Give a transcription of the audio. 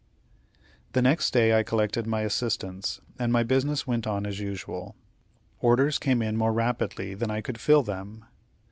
The next day I collected my assistants, and my business went on as usual. Orders came in more rapidly than I could fill them.